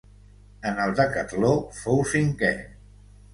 En el decatló fou cinquè.